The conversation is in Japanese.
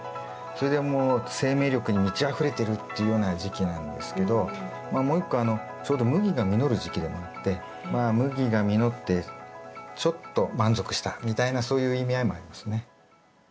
それでもう生命力に満ちあふれてるっていうような時期なんですけどまあもう一個ちょうど麦が実る時期でもあってまあ麦が実ってちょっと満足したみたいなそういう意味合いもありますね。